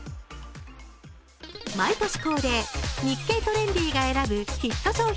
毎年恒例、「日経トレンディ」が選ぶヒット商品